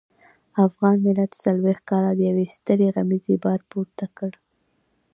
افغان ملت څلويښت کاله د يوې سترې غمیزې بار پورته کړ.